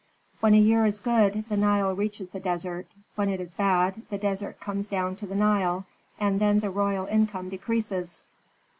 "When a year is good, the Nile reaches the desert; when it is bad, the desert comes down to the Nile, and then the royal income decreases.